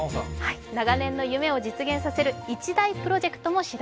長年の夢を実現させる、一大プロジェクトも始動。